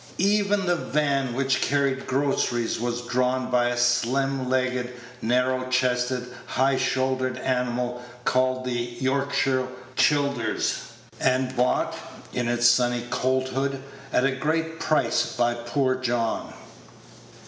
Even the van which carried groceries was drawn by a slim legged, narrow chested, high shouldered animal, called the "Yorkshire Childers," and bought, in its sunny colthood, at a great price by poor John.